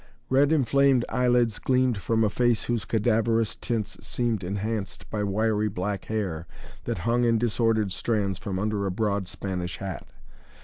Red inflamed eyelids gleamed from a face whose cadaverous tints seemed enhanced by wiry black hair that hung in disordered strands from under a broad Spanish hat.